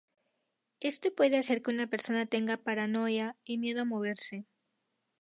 Esto puede hacer que una persona tenga paranoia y miedo a moverse.